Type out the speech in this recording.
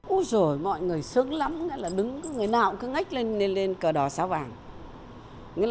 úi dồi mọi người sướng lắm người nào cũng cứ ngách lên cơ đỏ sao vàng